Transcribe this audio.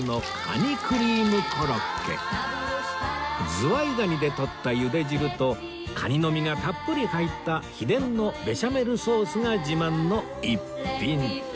ズワイガニで取った茹で汁とカニの身がたっぷり入った秘伝のベシャメルソースが自慢の一品